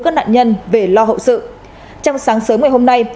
các nạn nhân về lo hậu sự trong sáng sớm ngày hôm nay